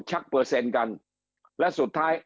ชักเปอร์เซ็นต์กันและสุดท้าย